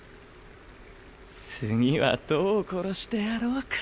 次はどう殺してやろうか。